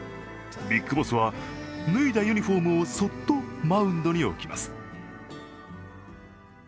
ＢＩＧＢＯＳＳは脱いだユニフォームをそっとマウンドに置きます。